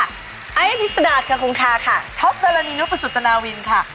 อาร์ยายวิสุนาช์คุณคุณค้าค่ะท็อปเตลณีนุปสุตนวินค่ะ